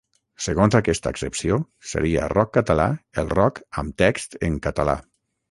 Segons aquesta accepció seria rock català el rock amb text en català.